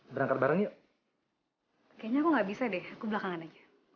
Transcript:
berangkat bareng yuk kayaknya aku gak bisa deh aku belakangan aja